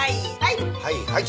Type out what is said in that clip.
はいはい。